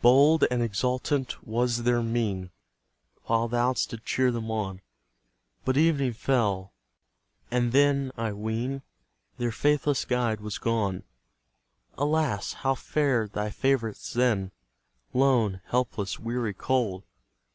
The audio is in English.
Bold and exultant was their mien, While thou didst cheer them on; But evening fell, and then, I ween, Their faithless guide was gone. Alas! how fared thy favourites then, Lone, helpless, weary, cold?